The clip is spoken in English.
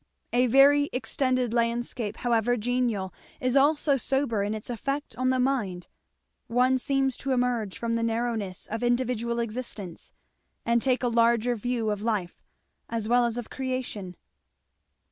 A very extended landscape however genial is also sober in its effect on the mind. One seems to emerge from the narrowness of individual existence, and take a larger view of Life as well as of Creation.